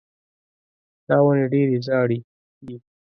دا ونې ډېرې زاړې دي.